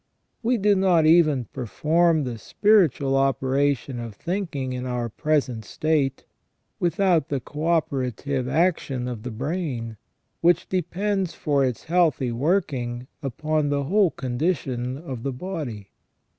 We do not even perform the spiritual operation of thinking in our present state, without the co opera tive action of the brain, which depends for its healthy working upon the whole condition of the body.